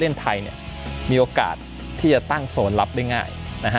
เล่นไทยมีโอกาสที่จะตั้งโซนรับได้ง่าย